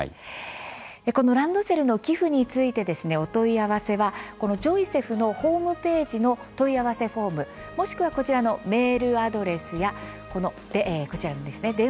このランドセルの寄付についてですねお問い合わせはこのジョイセフのホームページの問い合わせフォームもしくはこちらのメールアドレスやこちらの電話番号までお願いします。